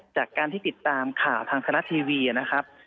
จากการที่ติดตามข่าวทางธนัดทีวีนะครับ